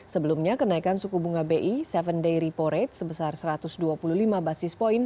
sebelumnya kenaikan suku bunga bi tujuh day repo rate sebesar satu ratus dua puluh lima basis point